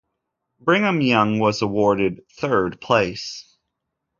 Brigham Young was awarded third place.